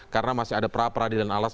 karena masih ada pra pra di dalam alas